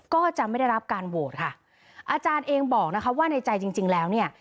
ก็จะไม่ได้รับการโหวตค่ะอาจารย์เองบอกนะคะว่าในใจจริงจริงแล้วเนี่ย